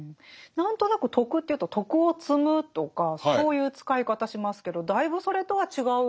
何となく徳というと徳を積むとかそういう使い方しますけどだいぶそれとは違う。